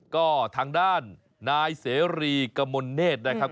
ก็ทางด้านนายเสรีกมลเนธนะครับ